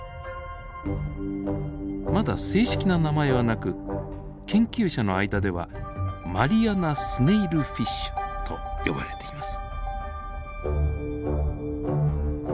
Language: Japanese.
まだ正式な名前はなく研究者の間ではマリアナスネイルフィッシュと呼ばれています。